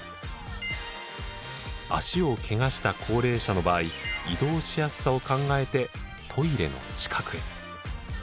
足をケガした高齢者の場合移動しやすさを考えてトイレの近くへ。